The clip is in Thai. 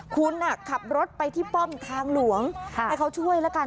คุณขับรถไปที่ป้อมทางหลวงให้เขาช่วยแล้วกัน